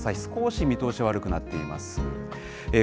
市、少し見通し悪くなっています。